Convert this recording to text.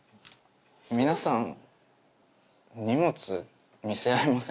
皆さん荷物見せ合いませんか？